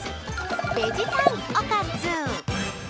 ベジたんおかず！